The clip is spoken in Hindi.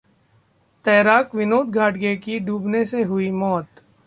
तैराक विनोद घाटगे की डूबने से हुई मौत